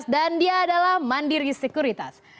dan dia adalah mandiri sekuritas